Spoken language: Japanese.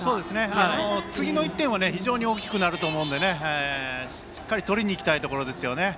次の１点は非常に大きくなると思うのでしっかり取りにいきたいところですね。